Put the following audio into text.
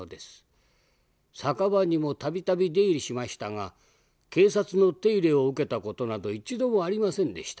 酒場にも度々出入りしましたが警察の手入れを受けた事など一度もありませんでした。